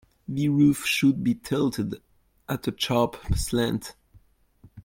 The roof should be tilted at a sharp slant.